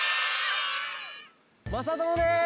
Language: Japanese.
まさともです！